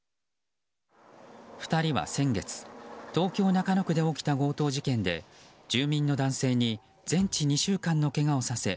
２人は先月東京・中野区で起きた強盗事件で住民の男性に全治２週間のけがをさせ